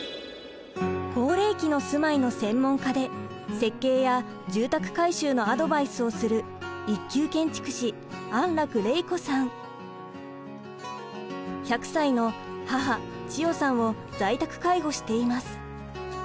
高齢期の住まいの専門家で設計や住宅改修のアドバイスをする１００歳の母千代さんを在宅介護しています。